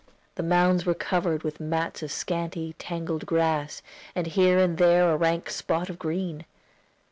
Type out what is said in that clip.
The mounds were covered with mats of scanty, tangled grass, with here and there a rank spot of green.